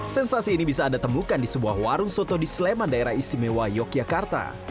sensasi ini bisa anda temukan di sebuah warung soto di sleman daerah istimewa yogyakarta